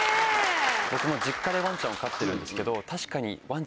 僕も実家でワンちゃんを飼ってるんですけど。